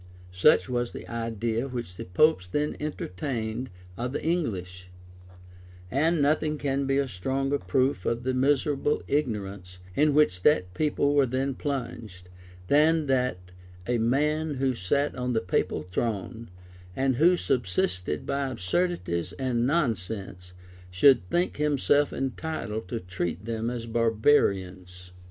[] Such was the idea which the popes then entertained of the English; and nothing can be a stronger proof of the miserable ignorance in which that people were then plunged, than that, a man who sat on the papal throne, and who subsisted by absurdities and nonsense, should think himself entitled to treat them as barbarians.